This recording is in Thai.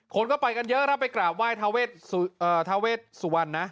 คนก็ไปกันเยอะรับไปกราบไหว้ทาเวสเอ่อทาเวสสุวรรณนะ